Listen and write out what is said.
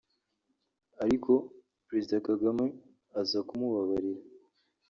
ariko Perezida Kagame aza kumubabarira